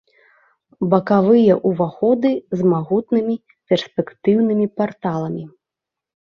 Бакавыя ўваходы з магутнымі перспектыўнымі парталамі.